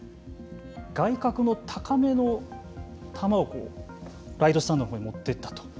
外角の高めの球をライトスタンドのほうに持っていったと。